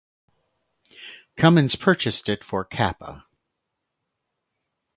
Cummins purchased it for Cappagh.